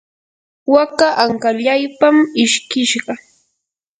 waka ankallaypam ishkishqa.